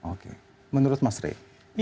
oke menurut mas rey